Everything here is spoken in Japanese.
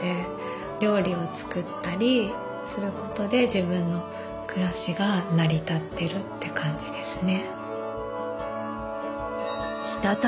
料理を作ったりすることで自分の暮らしが成り立ってるって感じですね。